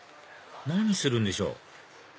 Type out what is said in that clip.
何するんでしょう？